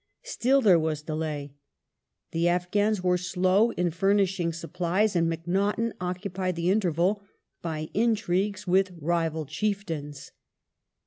Still there was delay. The Afghans were slow in furnishing supplies, and Macnaghten occupied the interval by intrigues with rival chieftains.